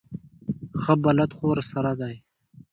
ښه بلد خو ورسره دی.